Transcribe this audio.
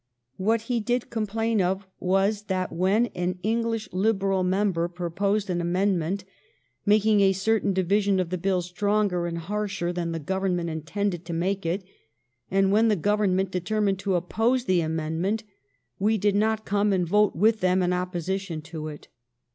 What he did complain of was that when an English Liberal member pro posed an amendment, making a certain division of the bill stronger and harsher than the Government intended to make it, and when the Government determined to oppose the amendment, we did not come and vote with them in opposition to it.